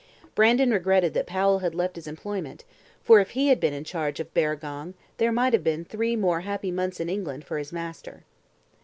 Brandon regretted that Powell had left his employment, for if he had been in charge of Barragong there might have been three more happy months in England for his master.